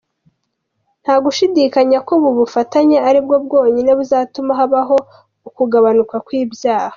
Ntagushidikanya ko ubu bufatanye aribwo bwonyine buzatuma habaho ukugabanuka kw’ibyaha.